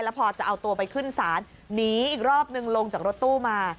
พอจะเอาตัวไปขึ้นศาลหนีอีกรอบนึงลงจากรถตู้มา